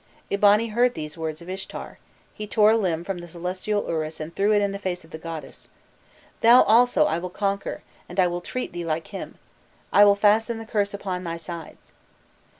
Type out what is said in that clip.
Eabani heard these words of Ishtar, he tore a limb from the celestial urus and threw it in the face of the goddess: 'Thou also I will conquer, and I will treat thee like him: I will fasten the curse upon thy sides.